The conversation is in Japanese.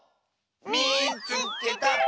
「みいつけた！」。